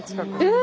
え！